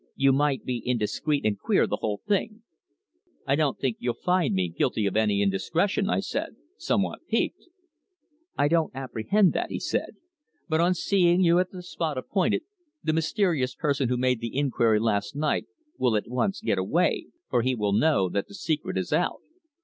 You might be indiscreet and queer the whole thing." "I don't think you'll find me guilty of any indiscretion," I said, somewhat piqued. "I don't apprehend that," he said. "But on seeing you at the spot appointed, the mysterious person who made the inquiry last night will at once get away, for he will know that the secret is out.